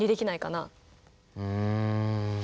うん。